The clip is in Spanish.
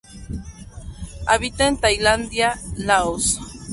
Habita en Tailandia Laos.